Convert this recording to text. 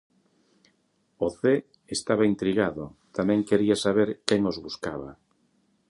O Zé estaba intrigado, tamén quería saber quen os buscaba.